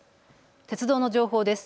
鉄道の情報です。